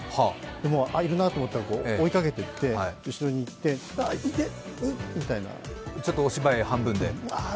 でも、いるなと思ったら追いかけていって、後ろに行って、「あっ、いて！あっ」みたいな。ちょっとお芝居半分で？